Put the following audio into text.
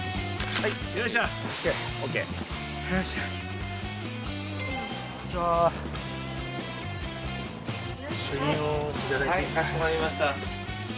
はいかしこまりました。